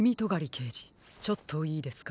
けいじちょっといいですか？